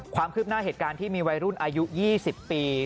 ความคืบหน้าเหตุการณ์ที่มีวัยรุ่นอายุ๒๐ปี